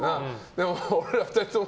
でも俺ら２人とも。